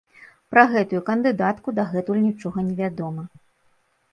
Пра гэтую кандыдатку дагэтуль нічога невядома.